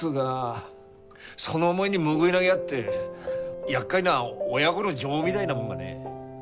その思いに報いなぎゃってやっかいな親子の情みたいなもんがね